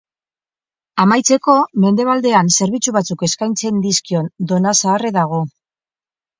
Amaitzeko, mendebaldean zerbitzu batzuk eskaintzen dizkion Donazaharre dago.